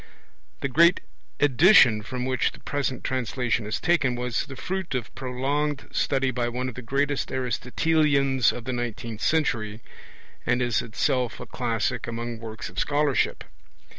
The great edition from which the present translation is taken was the fruit of prolonged study by one of the greatest Aristotelians of the nineteenth century, and is itself a classic among works of scholarship.